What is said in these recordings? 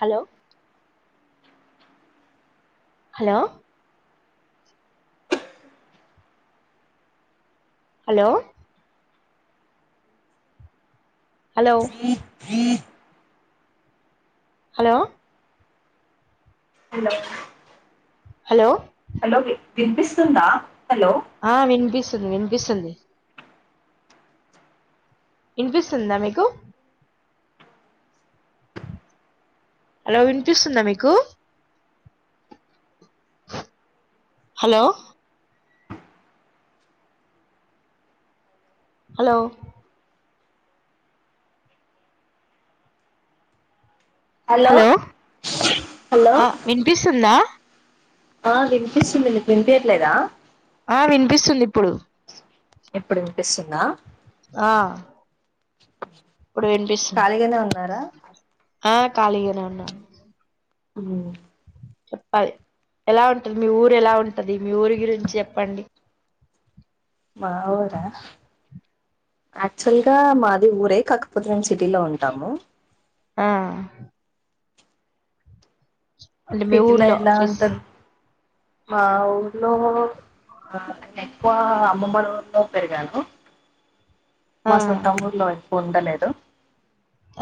Hello hello hello hello hello hello hello hello విని వినిపిస్తుందా hello ఆ వినిపిస్తుంది వినిపిస్తుంది ఇనిపిస్తుందా మీకు హలో వినిపిస్తుందా మీకు హలో హలో హలో హలో ఆ వినిపిస్తుందా ఆ వినిపిస్తుంది నీకు వినిపియట్లేదా ఆ వినిపిస్తుంది ఇప్పుడు ఇప్పుడు వినిపిస్తుందా ఆ ఇప్పుడు వినిపిస్తుంది ఖాళీగానే ఉన్నారా ఆ ఖాళీగానే ఉన్న మ్ చెప్పాలి ఎలా ఉంటది మీ ఊరు ఎలా ఉంటది మీ ఊరి గురించి చెప్పండి మాఊరా యాక్చువల్ గా మాది ఊరే కాకపోతే మేము సిటీలో ఉంటాము ఆ అంటే మీ సిటీలా ఊర్లో ఎలా ఫెస్ ఉంటారు మా ఊర్లో ఆ ఎక్కువ అమ్మమ్మ ఊర్లో పెరిగాను ఆ మా సొంతం ఊర్లో ఎక్కువ ఉండలేదు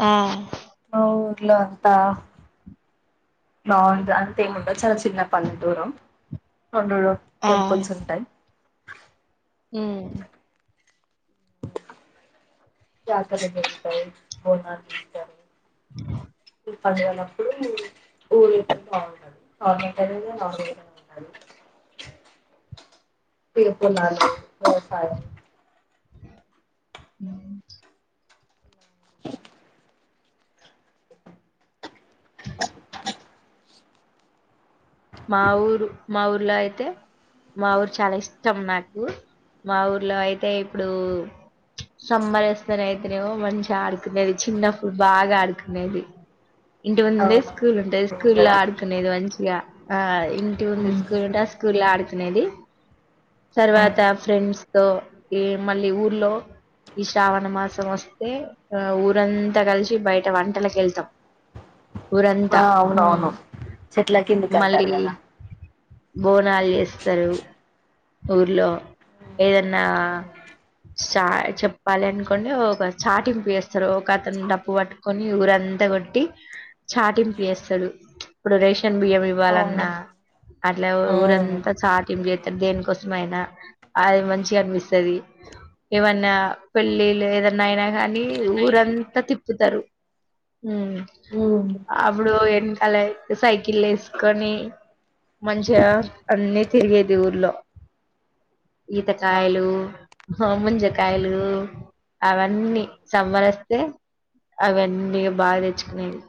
ఆ మా ఊర్లో అంతా బాగుంది అంతేముండదు చాలా చిన్న పల్లెటూరు అందులో టెంపుల్స్ ఉంటాయి మ్ జాతరలు అనేవి ఉంటాయి బోనాలు ఉంటాయి అ పని లేనప్పుడు ఊరు కి పోతావుంటాడు టమేటాలు [inaudible] తీర్కున్నానాను వ్యవసాయం ఉ మా ఊరు మా ఊర్లో అయితే మా ఊరు చాలా ఇష్టం నాకు మా ఊర్లో అయితే ఇప్పుడు సమ్మర్ వస్తే అయితేనేమో మంచిగా ఆడుకునేది చిన్నప్పుడు బాగా ఆడుకునేది ఇంటి ముందే అవునవును స్కూల్ ఉంటది స్కూల్ ఇక్కడ లో ఆడుకునేది మంచిగా ఆ ఇంటి ముందు స్కూల్ ఉంటే స్కూల్ స్కూల్ లో ఆడుకునేది తర్వాత ఫ్రెండ్స్ తో ఈ మళ్ళీ ఊర్లో ఈ శ్రావణ మాసం వస్తే ఆ ఊరంతా కలిసి బయట వంటలక వెళ్తాం ఆ ఊరంతా ఉమ్, అవునవును చెట్ల కిందికి మళ్ళీ అంటారు కదా బోనాలు చేస్తారు ఊర్లో ఏదన్నా చా చెప్పాలి అనుకోండి ఒక చాటింపు వేస్తారు ఒక అతను డప్పు పట్టుకొని ఊర అంతా కొట్టి చాటింపు చేస్తాడు ఇప్పుడు రేషన్ బియ్యం అవును ఇవ్వాలన్నా అట్లా ఉమ్ ఊరంతా చాటింప్ చేస్తారు దేనికోసం అయినా అది మంచిగా అనిపిస్తది ఏమన్నా పెళ్ళిళ్ళు ఏదన్నా అయినా కానీ ఊరంతా తిప్పుతారు ఉ అప్పుడు వెనకాల సైకిల్ ఏసు కోని మంచిగా అన్ని తిరిగేది ఊర్లో అవును ఈతకాయలు, మంజకాయలు అవన్నీ సమ్మర్ వస్తే అవన్నీ బాగా తెచ్చుకునేవి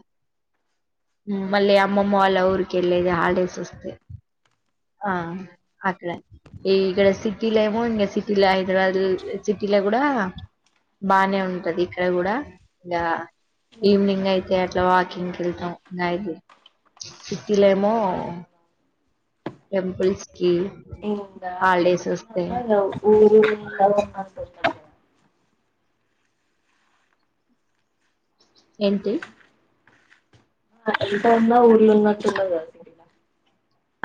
ఉ మళ్ళీ అమ్మమ్మ వాళ్ళ ఊరికి వెళ్ళేది హాలిడేస్ వస్తే ఆ అక్కడ ఈక్కడ సిటీలమో సిటీల హైదరాబాద్ సిటీలో కూడా బానే ఉంటది ఇక్కడ కూడా ఇంకా ఈవినింగ్ అయితే అట్లా వాకింగ్ కి వెళ్తాం ది సిటీలే ఏమో టెంపుల్స్ కి ఇంకా ఎంత హాలిడేస్ ఉన్న వస్తే కూడా ఊర్లో ఉన్నంత ఉండదు కదా ఏంటి ఎంత ఉన్నా ఊర్లో ఉన్నట్టు ఉండదు కదా సిటీలా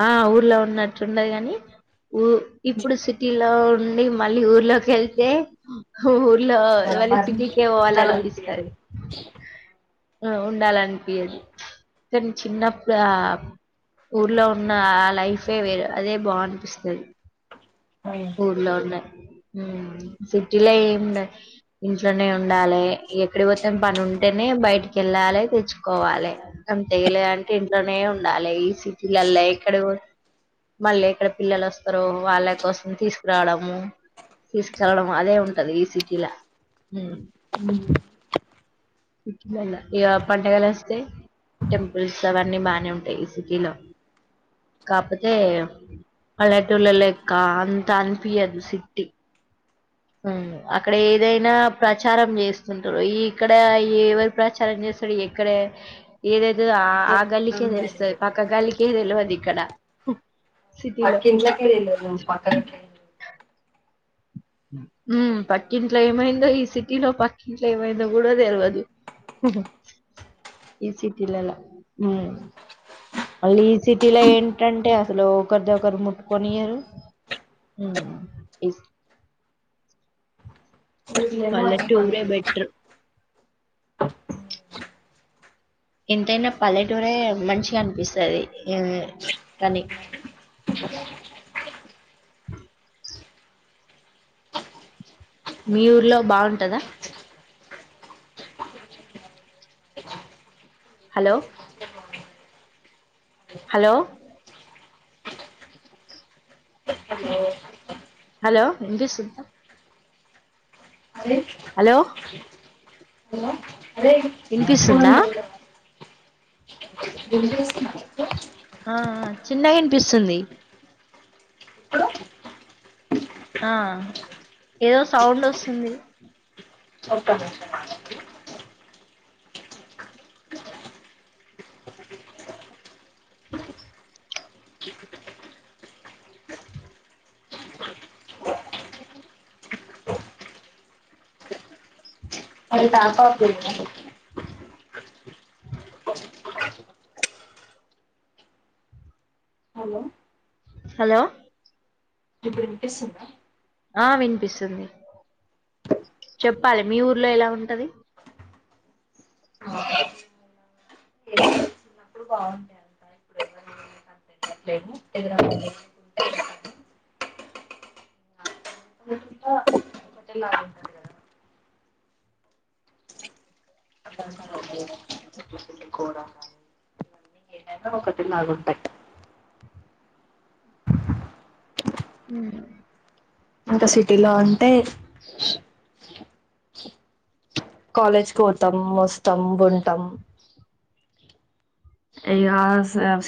ఆ ఊర్లో ఉన్నట్టు ఉండదు గాని ఊ ఇప్పుడు సిటీలో ఉండి మళ్ళీ ఊర్లోకి వెళ్తే ఊర్లో ఆ మళ్ళీ మరి సిటీకే పోవలీ ఉండాలనిపియదు అనిపిస్తాది ఉండాలనిపిది కానీ చిన్నప్పుడు ఆ ఊర్లో నా ఆ లైఫే వేరే అదే బాగ అనిపిస్తది ఉమ్ ఊర్లో నే ఉ సిటీలో ఏమిండ ఇంట్లోనే ఉండాలే ఎక్కడి పోతం పని ఉంటే ఉంటేనే బయటికి వెళ్ళాలి తెచ్చుకోవాలే అంతే లేదంటే ఇంట్లోనే ఉండాలి ఈ సిటీలల్లో అయి ఇక్కడ మళ్ళీ ఎక్కడ పిల్లలు వస్తారో వాళ్ళ కోసం తీసుకురావడము తీసుకెళ్లడం అదే ఉంటది ఈ సిటీలా ఏం ఇగా పండగలు వస్తే టెంపుల్స్ అవన్నీ బానే ఉంటాయి సిటీలో కాకపోతే పల్లెటూరు లెక్క అంత అనిపియదు ఈ సిటి ఊ అక్కడ ఏదైనా ప్రచారం చేస్తుంటారు ఇక్కడ ఎవరి ప్రచారం చే స్తరు ఎక్కడ ఏదైతే ఆ గల్లికే జరుగుతుందో తెలుస్తది పక్క గల్లికే తెలియదు ఇక్కడ సిటీలో పక్కా ఇంట్లోకే తెల్వదు పక్కన గల్లీకి ఉ పక్కింట్లో ఏమైందో ఈ సిటీ లో పక్కింట్లో ఏమైందో కూడా తెలవదు మ్మ్ ఈ సిటీలాలా వాళ్ళ ఈ సిటీలో ఏంటంటే అసలు ఒకరిది ఒకరు ముట్టుకొనియరు మ్మ్ హ్మ్ వీళ్ళేమో అన్ని మన పల్లెటురే బెటరు ఎంతైనా పల్లెటూరే మంచిగా అనిపిస్తది హ్మ్ కానీ అ అ మీ ఊర్లో బాగుంటదా హలో హలో హలో హలో వినిపిస్తుందా అరే హలో అదే వినిపిస్తుందా? గు ఆ చిన్నగా వినిపిస్తుంది ఇప్పుడు ఆ ఏదో సౌండ్ వస్తుంది [inaudible] అ [unintelligible] హలో హలో వినిపిస్తుందా ఆ వినిపిస్తుంది చెప్పాలి మీ ఊర్లో ఎలా ఉంటది చిన్నప్పుడు బాగుండే ఎదు రాటి ఒకటేలాగా ఉంటది కదా బాగుంటాయి హ్మ్ ఇంకా సిటీలో అంటే కాలేజ్కి పోతాం వస్తాం బంటాం ఇ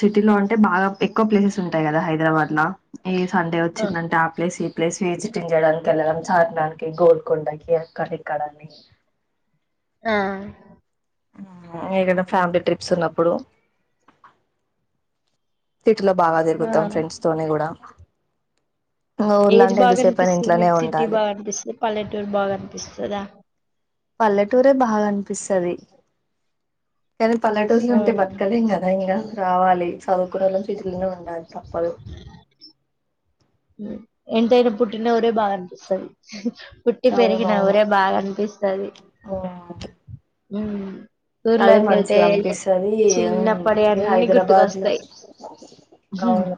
సిటీ లో అంటే బాగా ఎక్కువ ప్లేసెస్ ఉంటాయి కదా హైదరాబాద్ లో ఈ సండే వచ్చిందంటే ఆ ప్లేస్ ప్లేస్ విజిటి చేయడానికి వెళ్ళడం చార్మినార్కి గోల్కొండకి అక్కడ ఇక్కడన్ని ఆ ఆ దన్న ఫ్యామిలీ ట్రిప్స్ ఉన్నప్పుడు ఇట్ లో బాగా ఆ తిరుగుతాం ఫ్రెండ్స్ తోనే కూడా ఊర్లో ఏది అంటే బాగా ఎంతసేపు అయినా అనిపిస్తుంది ఇంట్లోనే మీకు సిటీ ఉండాలి బాగా అనిపిస్తుంది పల్లెటూరు బాగా అనిపిస్తదా పల్లెటూరే బాగనిపిస్తది కానీ పల్లెటూల్లో ఆ ఉంటే బతకలేం గదా ఇంకా రావాలి చదువు కోడలి చేతిలోనే ఉండాలి తప్పదు ఎంతైనా పుట్టిన ఊరే బాగా అనిపిస్తది పుట్టి పెరిగిన అవునవును ఊరే బాగా అనిపిస్తది మ్మ్ మ్మ్ అదే ఊర్లోకి వెళ్తే మంచిగా అనిపిస్తది మ్మ్ చిన్నప్పటి ఈ అన్నీ హైదరాబాద్ లో గుర్తుకొస్తాయి హ్మ్ అవును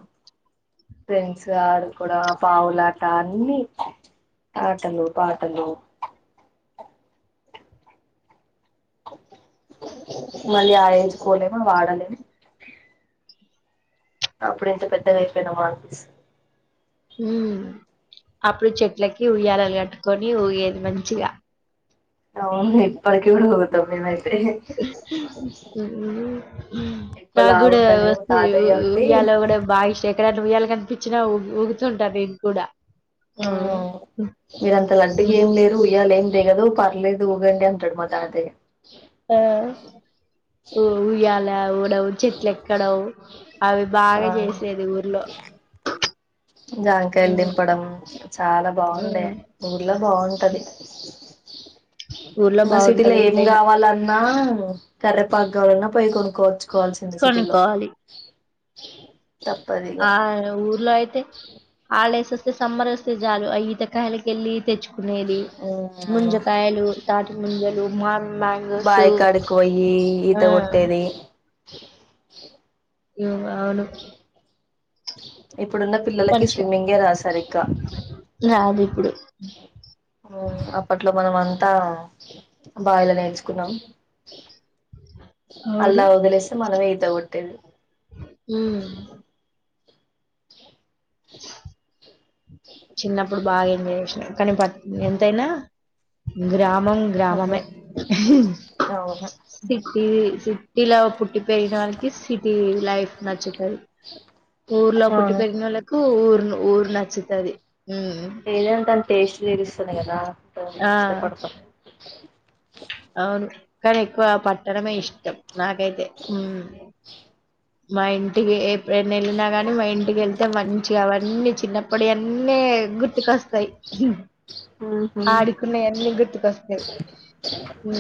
ఫ్రెండ్స్ ఆడుకొడం పావులాట అన్నీ ఆటలు పాటలు మళ్ళీ ఆ ఏజుకోలేము అవి ఆడలేము అప్పుడే ఇంత పెద్దగా అయిపోయినామా అనిపిస్తది మ్మ్ అప్పుడు చెట్లకి ఉయ్యాలలు కట్టుకొని ఊయేది మంచిగా అవును ఇప్పడికి గూడ ఊగతం మేమై హ్మ్ ఎక్కువ నాగూడ లావుంటాను వస్తే ఉ తాతయ్య ఉండి ఉయ్యాల గూడా బాగిష్ట అట్ల ఉయ్యాల కని వచ్చినా ఊ ఊగుతుంటా నేను కూడా ఆ ఊ ఈడంత లడ్డు ఏం లేదు ఉయ్యాల ఏం అదేగదు పర్లేదు ఊగండి అంటడు మా తాతయ్య ఆ ఓ ఉయ్యాల ఊడ చెట్లెక్కడం అవి బాగా ఆ చేసేది ఊర్లో జాంకాయలు ఉమ్, దింపడం చాలా బాగుండా ఉమ్. ఊర్లో బాగుంటది ఊర్లో ఇంగ సిటీలో బాగుంటది ఏం ఎంతైనా గావాలన్నా కరేపాక్ కావాలన్నా పొయి కొనుక్కోవచ్చుకోవాల్సింది సిటీలో కొనుక్కోవాలి తప్పదిగా హాల్డేస్ వస్తే సమ్మర్ వస్తే జాలు అ ఈతకాయల కెల్లి తెచ్చు కునేది మ్మ్ ముంజకాయలు తాటి ముంజలు మామి మ్యాంగోసు బాయి కాడికి పోయి ఈత కొట్టేది యో అవును ఇప్పుడున్న పిల్లలకి కొంచెం స్విమ్మింగే రాదు సరిగ్గా రాదు ఇప్పుడు ఊ అప్పట్లో మనం అంతా బావిలో నేర్చుకున్నాం అవును అల్లా వదిలేస్తే మనంమే ఈత కొట్టేది ఉమ్ ఛా చిన్నప్పుడు బాగా ఎంజాయ్ చేసినం కానీ బట్ ఎంతైనా గ్రా గం ఉహు గ్రామమే అవును సిటీ సటీలో పు ఇ పెరిగినకి సిటీ లైఫ్ నచ్చుతది ఊర్లో పుట్టి అవును పెరిగినొల్లకూ ఊరు ఊరు నచ్చుతది వేరుశనగల ఆ ఇష్టపడతం అవును కానీ ఎక్కువ పట్టడమే ఇష్టం నాకైతే మా ఇంటికి ఎప్పుడూ ఏ వెళ్ళినా గాని మా ఇంటికి వెళ్తే మంచిగా అవన్నీ చిన్నప్పుడు అన్నీ గుర్తుకొస్తాయి ఉహు ఆడుకునేన్నీ గుర్తుకొస్తాయి ఊ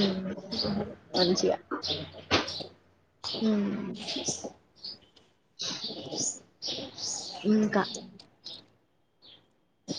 మంచిగా ఊ చ్ ఇంకా ఛీ